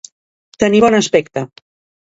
Tenir bon aspecte.